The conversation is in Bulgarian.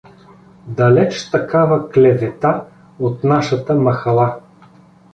Далеч такава клевета от нашата махала!